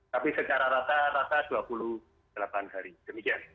tapi secara rata rata dua puluh delapan hari demikian